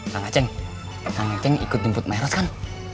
kang ngeceng kang ngeceng ikut nyemput meros kan